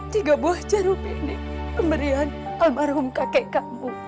tiga buah jeruk ini pemberian almarhum kakek kamu